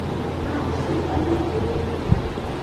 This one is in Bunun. Maaq suu balivun?